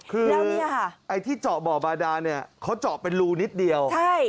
คือไอ้ที่เจาะบ่อบาดาเนี่ยเขาเจาะเป็นรูนิดเดียว